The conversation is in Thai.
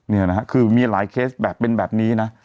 นี่นะฮะคือมีหลายเคสแบบเป็นแบบนี้นะ